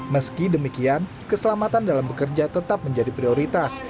meski demikian keselamatan dalam bekerja tetap menjadi prioritas